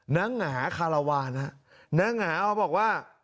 นางหาคาหลาวานางหาว่า